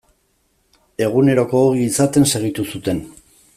Eguneroko ogi izaten segitu zuten.